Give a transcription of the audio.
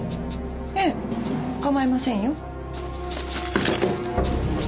ええかまいませんよ。